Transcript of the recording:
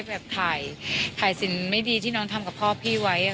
ไม่มีอะไรที่ต้องน่าคิดเลย